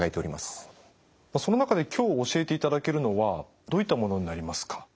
その中で今日教えていただけるのはどういったものになりますか？